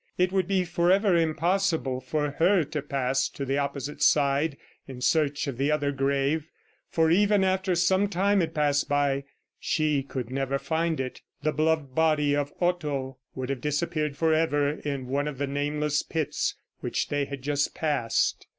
It would be forever impossible for her to pass to the opposite side in search of the other grave, for, even after some time had passed by, she could never find it. The beloved body of Otto would have disappeared forever in one of the nameless pits which they had just passed.